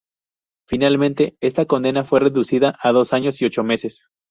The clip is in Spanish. Finalmente, esta condena fue reducida a dos años y ocho meses.